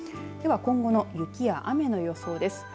では今後の雪や雨の予想です。